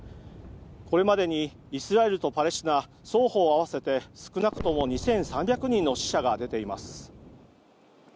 これまでにイスラエルとパレスチナ双方合わせて少なくとも２３００人の死者が出ています。